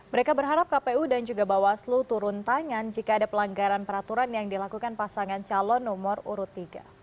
mereka berharap kpu dan juga bawaslu turun tangan jika ada pelanggaran peraturan yang dilakukan pasangan calon nomor urut tiga